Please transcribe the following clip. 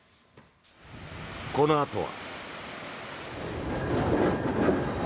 このあとは。